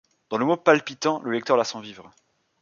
Dans le mot palpitant le lecteur la sent vivre.